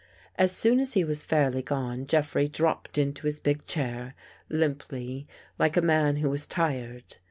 As soon as he was fairly gone, Jeffrey dropped into his big chair, limply, like a man who was tired.